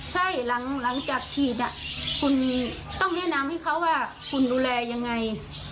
ใช่หลังจากฉีดคุณต้องแนะนำให้เขาว่าคุณดูแลยังไง